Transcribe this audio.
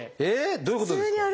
どういうことですか？